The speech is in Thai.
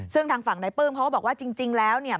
ซึ่งทางฝั่งในปลื้มเขาก็บอกว่าจริงแล้วเนี่ย